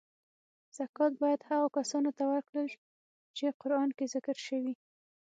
زکات باید هغو کسانو ته ورکړل چی قران کې ذکر شوی .